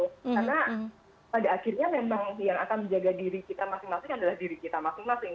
karena pada akhirnya memang yang akan menjaga diri kita masing masing adalah diri kita masing masing